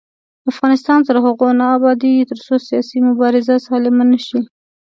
افغانستان تر هغو نه ابادیږي، ترڅو سیاسي مبارزه سالمه نشي.